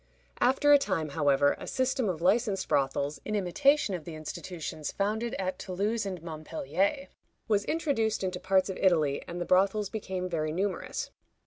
After a time, however, a system of licensed brothels, in imitation of the institutions founded at Toulouse and Montpellier, was introduced into parts of Italy, and the brothels became very numerous.